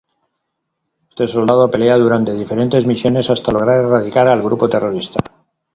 Este soldado pelea durante diferentes misiones hasta lograr erradicar al grupo terrorista.